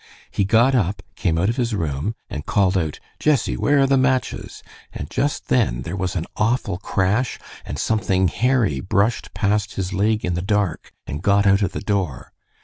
He got up, came out of his room, and called out, 'Jessie, where are the matches?' And just then there was an awful crash, and something hairy brushed past his leg in the dark and got out of the door.